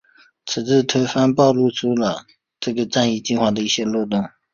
此次推演暴露出了这个战役计划的一些漏洞。